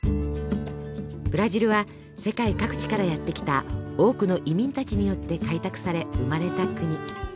ブラジルは世界各地からやって来た多くの移民たちによって開拓され生まれた国。